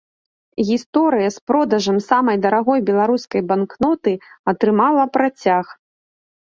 Гісторыя з продажам самай дарагой беларускай банкноты атрымала працяг.